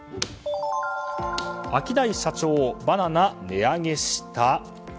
アキダイ社長バナナ、値上げした？